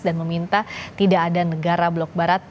dan meminta tidak ada negara blok barat